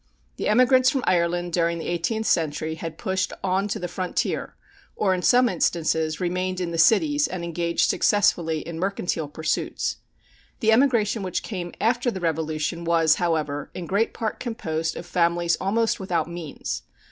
The emigrants from Ireland during the eighteenth century had pushed on to the frontier, or, in some instances, remained in the cities and engaged successfully in mercantile pursuits. The emigration which came after the Revolution was, however, in great part composed of families almost without means.